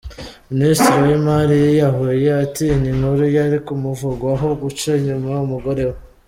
Minisitiri w’imari yiyahuye atinya inkuru yari kumuvugwaho guca inyuma umugore we